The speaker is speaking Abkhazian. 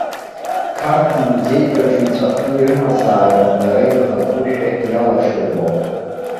Қарҭ музеик аҿы иҵәахны ирымазаарын, дара ирхатәушәа иалаҽырбо.